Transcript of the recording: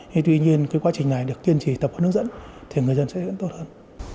thế tuy nhiên cái quá trình này được tiên trì tập hướng dẫn thì người dân sẽ tốt hơn